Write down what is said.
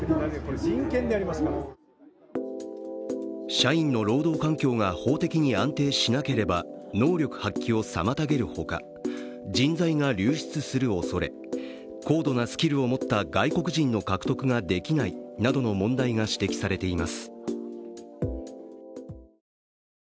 社員の労働環境が法的に安定しなければ能力発揮を妨げるほか人材が流出するおそれ高度なスキルを持った外国人の獲得ができないなどの問題が指摘されています。